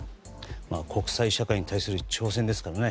国際社会に対する挑戦ですからね。